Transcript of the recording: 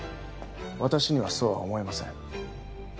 わたしにはそうは思えません。